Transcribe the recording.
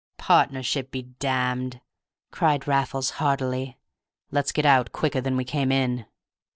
"Partnership be damned!" cried Raffles, heartily. "Let's get out quicker than we came in."